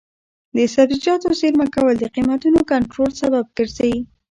د سبزیجاتو زېرمه کول د قیمتونو کنټرول سبب ګرځي.